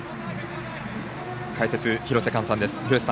解説・廣瀬寛さんです。